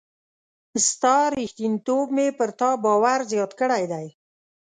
ستا ریښتینتوب مي پر تا باور زیات کړی دی.